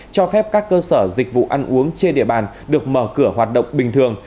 cho phép các cơ sở dịch vụ ăn uống trên địa bàn được mở cửa hoạt động bình thường